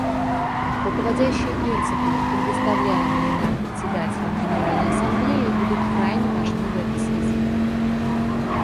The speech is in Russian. Руководящие принципы, предоставляемые нам Председателем Генеральной Ассамблеи, будут крайне важны в этой связи.